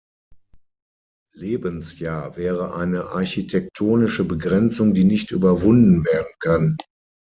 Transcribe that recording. Lebensjahr wäre eine „architektonische“ Begrenzung, die nicht überwunden werden kann.